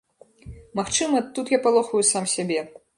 Магчыма, тут я палохаю сам сябе.